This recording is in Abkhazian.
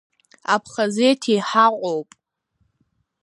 Аԥхазеҭи ҳаҟоуп.